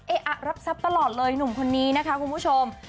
อะรับทรัพย์ตลอดเลยหนุ่มคนนี้นะคะคุณผู้ชม